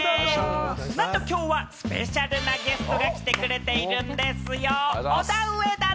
なんと今日はスペシャルなゲストが来てくれているんでぃすよ。